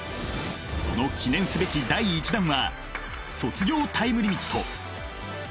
その記念すべき第１弾は「卒業タイムリミット」。